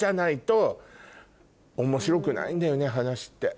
話って。